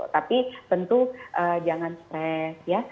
tapi tentu jangan stres ya